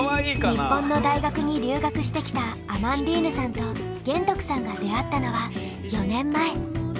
日本の大学に留学してきたアマンディーヌさんと玄徳さんが出会ったのは４年前。